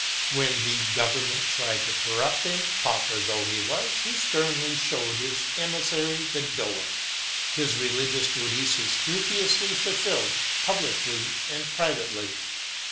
When the Government tried to corrupt him, pauper though he was, he sternly showed its emissary the door. His religious duties he scrupulously fulfilled publicly and privately.